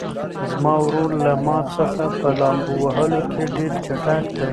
زما ورور له ما څخه په لامبو وهلو کې ډېر چټک دی.